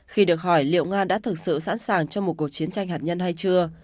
khi được hỏi liệu nga đã thực sự sẵn sàng cho một cuộc chiến tranh hạt nhân hay chưa